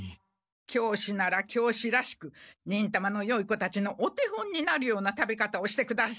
教師なら教師らしく忍たまのよい子たちのお手本になるような食べ方をしてください。